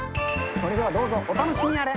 それではどうぞお楽しみあれ。